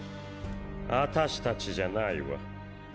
アタシたちじゃないわ。